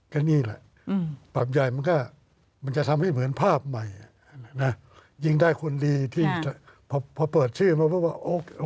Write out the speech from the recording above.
ก็นี่แหละปรับใหญ่มันก็จะทำให้เหมือนภาพใหม่ยิงได้คนดีที่พอเปิดชื่อมาก็ว่าโอเค